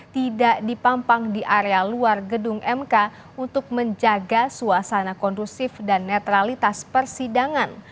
tidak dipampang di area luar gedung mk untuk menjaga suasana kondusif dan netralitas persidangan